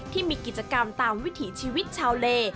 ที่มีกิจกรรมตามวิถีชีวิตชาวเล